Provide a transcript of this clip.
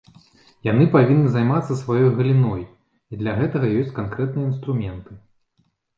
Яны павінны займацца сваёй галіной, і для гэтага ёсць канкрэтныя інструменты.